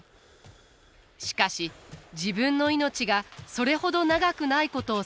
しかし自分の命がそれほど長くないことを悟ります。